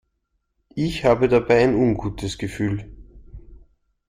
Ich habe dabei ein ungutes Gefühl.